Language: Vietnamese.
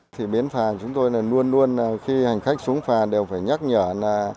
thì bến phà chúng tôi luôn luôn khi hành khách xuống phà đều phải nhắc nhở là